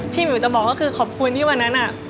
หมิวจะบอกก็คือขอบคุณที่วันนั้น